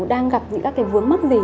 đang gặp những cái vướng mất gì